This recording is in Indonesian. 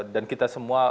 dan kita semua